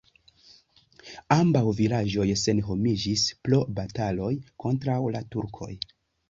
Ambaŭ vilaĝoj senhomiĝis pro bataloj kontraŭ la turkoj.